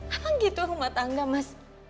haham gitu rumah tangga mas